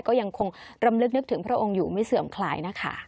ก็ยังคงรำลึกนึกถึงพระองค์อยู่ไม่เสื่อมคลายนะคะ